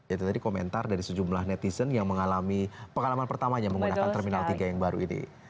itu tadi komentar dari sejumlah netizen yang mengalami pengalaman pertamanya menggunakan terminal tiga yang baru ini